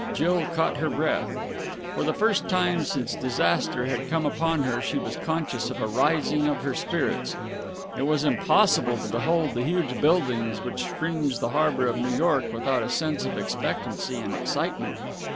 Jill caught her breath. For the first time since disaster had come upon her she was conscious of a rising of her spirits. It is impossible to behold the huge buildings which fringe the harbour of New York without a sense of expectancy and excitement.